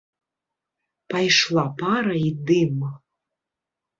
Пайшла пара і дым.